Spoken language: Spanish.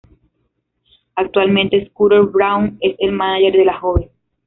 Actualmente, Scooter Braun es el mánager de la joven.